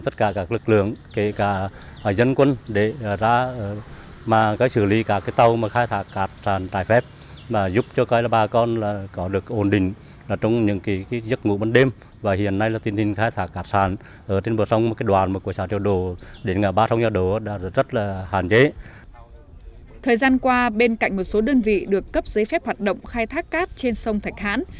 thời gian qua bên cạnh một số đơn vị được cấp giấy phép hoạt động khai thác cát trên sông thạch hãn